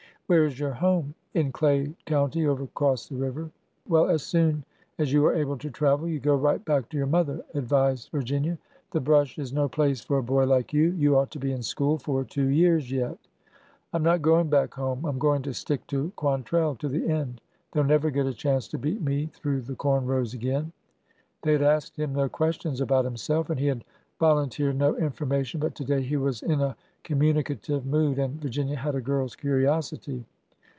'' Where is your home ?"'' In Clay County, over across the river." Well, as soon as you are able to travel, you go right back to your mother," advised Virginia. The brush is AN APT SCHOLAR 269 no place for a boy like you. You ought to be in school for two years yet.'' I 'm not going back home. I 'm going to stick to Quantrell to the end. They 'll never get a chance to beat me through the corn rows again !" They had asked him no questions about himself, and he had volunteered no information. But to day he was in a communicative mood, and Virginia had a girl's curi osity.